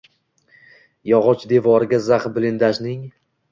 Yog’och devoriga zax blindajning